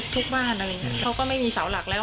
ทุกบ้านอะไรอย่างนี้เขาก็ไม่มีเสาหลักแล้ว